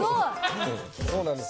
そうなんです。